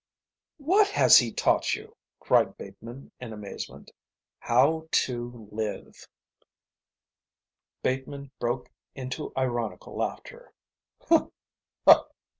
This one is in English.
"What has he taught you?" cried Bateman in amazement. "How to live." Bateman broke into ironical laughter.